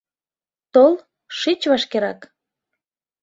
Тол, шич вашкерак...